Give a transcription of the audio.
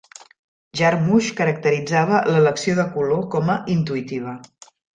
Jarmusch caracteritzava l'elecció de color com a "intuïtiva".